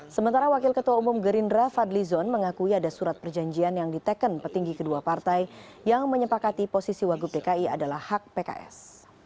sementara wakil ketua umum gerindra fadli zon mengakui ada surat perjanjian yang diteken petinggi kedua partai yang menyepakati posisi wagub dki adalah hak pks